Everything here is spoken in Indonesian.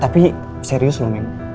tapi serius loh mem